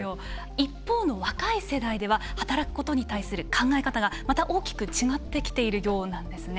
一方の若い世代では働くことに対する考え方がまた大きく違ってきているようなんですね。